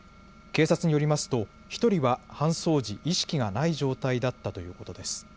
警察によりますと１人は搬送時、意識がない状態だったということです。